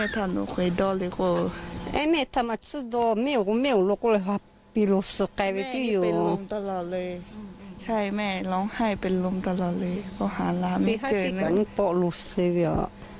ตั้งแต่น้องหายตัวไปความรู้สึกเป็นยังไงบ้างเค้าไม่มีโอกาสได้คุยกับอุ๋ยาย